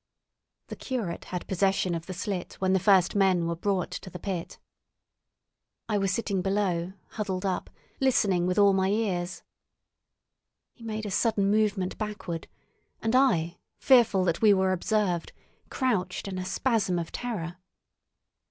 The curate had possession of the slit when the first men were brought to the pit. I was sitting below, huddled up, listening with all my ears. He made a sudden movement backward, and I, fearful that we were observed, crouched in a spasm of terror.